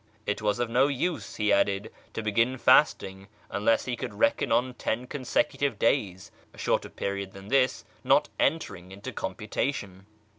It was of no use, he added, to begin fasting unless he could reckon on ten consecutive days, a shorter period than this not entering into computation.